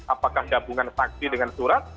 apakah gabungan saksi dengan surat